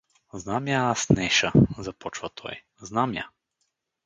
— Знам я аз нея, Неша — започва той, — знам я!